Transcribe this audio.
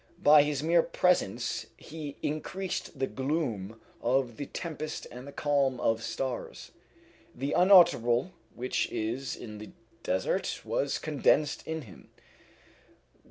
By his mere presence he increased the gloom of the tempest and the calm of stars. The unutterable which is in the desert was condensed in him.